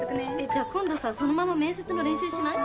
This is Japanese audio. じゃあ今度さそのまま面接の練習しない？